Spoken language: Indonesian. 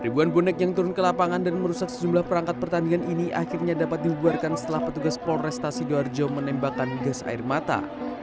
ribuan bonek yang turun ke lapangan dan merusak sejumlah perangkat pertandingan ini akhirnya dapat dibubarkan setelah petugas polrestasi doarjo menembakkan gas air mata